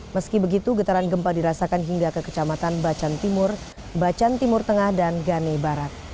meski begitu getaran gempa dirasakan hingga ke kecamatan bacan timur bacan timur tengah dan gane barat